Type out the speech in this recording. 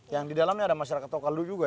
yang di dalamnya ada masyarakat tokendu juga